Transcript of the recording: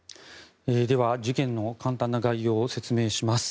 では事件の簡単な概要を説明します。